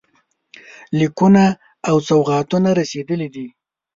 لیکونه او سوغاتونه رسېدلي دي.